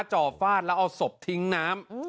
จ่อฟาดแล้วเอาศพทิ้งน้ำ